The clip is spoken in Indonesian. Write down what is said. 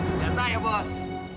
kerjaan saya bos